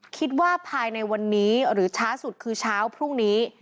คิดว่าภายในวันนี้หรือช้าสุดคือเช้าพรุ่งนี้